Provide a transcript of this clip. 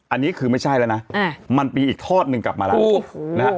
อันนี้คือไม่ใช่แล้วนะมันมีอีกทอดหนึ่งกลับมาแล้วโอ้โหนะฮะ